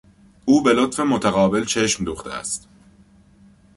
او به لطف متقابل چشم دوخته است.